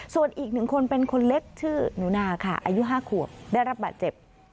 ส่วนอีกหนึ่งคนเป็นคนเล็กชื่อหนูนาค่ะอายุ๕ขวบได้รับบาดเจ็บ